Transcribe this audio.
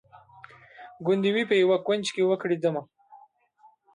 ګوندي وي په یوه کونج کي وکړي دمه